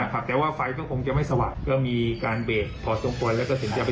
ชื่นชมท่านอำเภอแล้วนะครับ